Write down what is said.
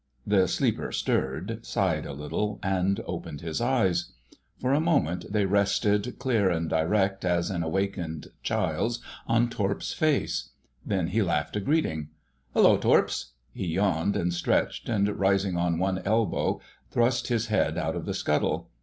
The sleeper stirred, sighed a little, and opened his eyes. For a moment they rested, clear and direct as an awakened child's, on Torps' face; then he laughed a greeting— "Hullo, Torps!" He yawned and stretched, and rising on one elbow, thrust his head out of the scuttle.